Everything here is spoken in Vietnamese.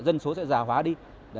dân số sẽ già hóa đi